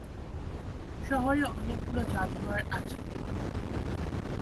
শহরে অনেকগুলি জাদুঘর আছে।